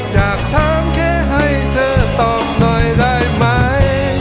อยากถามแค่ให้เธอตอบหน่อยได้ไหม